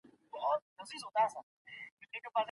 هیوادونه خپلې اړیکي یوازې د احساساتو پر بنسټ نه جوړوي.